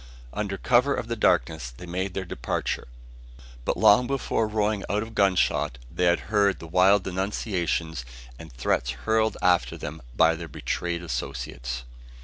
Under cover of the darkness they had made their departure; but long before rowing out of gun shot they had heard the wild denunciations and threats hurled after them by their betrayed associates.